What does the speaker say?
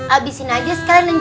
abisin aja sekalian